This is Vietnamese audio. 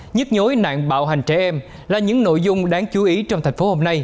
nhức nhối nạn bạo hành trẻ em là những nội dung đáng chú ý trong thành phố hôm nay